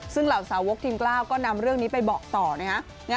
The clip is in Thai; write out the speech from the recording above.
ซึ่งเหล่าสาวกทีมกล้าก็นำเรื่องนี้ไปบอกต่อนะฮะ